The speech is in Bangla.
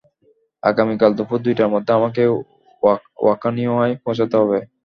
আগামীকাল দুপুর দুইটার মধ্যে আমাকে ওকিনাওয়ায় পৌঁছাতে হবে।